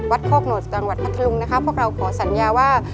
วัดโภกโหนดดังวัดพัทธรุงนะครับพวกเราขอสัญญาว่า